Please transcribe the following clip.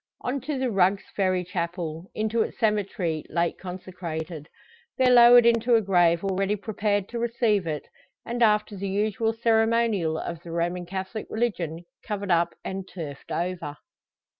On to the Rugg's Ferry chapel, into its cemetery, late consecrated. There lowered into a grave already prepared to receive it; and, after the usual ceremonial of the Roman Catholic religion covered up, and turfed over.